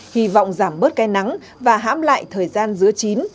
hy vọng giảm bớt cây nắng và hám lại thời gian dứa chín